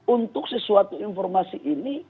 untuk sesuatu informasi ini